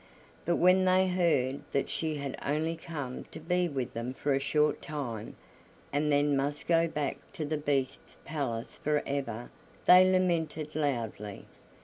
But when they heard that she had only come to be with them for a short time, and then must go back to the Beast's palace for ever, they lamented loudly.